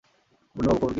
পূর্ণবাবু, খবর কী?